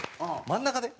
真ん中で？